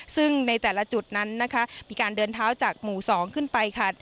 ซึ่งในแต่ละจุดนั้นนะคะมีการเดินเท้าจากหมู่๒ขึ้นไปค่ะ